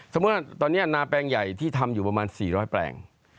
สมมุติว่าตอนนี้นาแปลงใหญ่ที่ทำอยู่ประมาณ๔๐๐แปลง